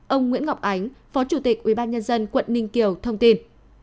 ông nguyễn ngọc ánh phó chủ tịch ủy ban nhân dân quận ninh kiều thông tin